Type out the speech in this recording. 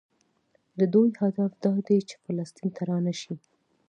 د دوی هدف دا دی چې فلسطین ته رانشي.